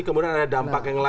kemudian ada dampak yang lain